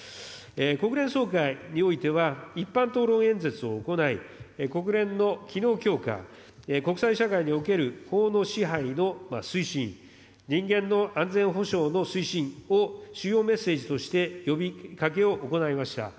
国連総会においては、一般討論演説を行い、国連の機能強化、国際社会における法の支配の推進、人間の安全保障の推進を主要メッセージとして呼びかけを行いました。